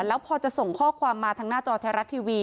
แล้วพอจะส่งข้อความมาทางหน้าจอไทยรัฐทีวี